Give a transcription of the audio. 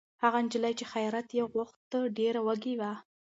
هغه نجلۍ چې خیرات یې غوښت، ډېره وږې وه.